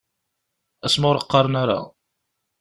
Asma ur qqaren ara.